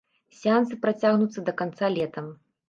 Сеансы працягнуцца да канца лета.